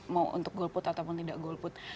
mau untuk goal put ataupun tidak goal put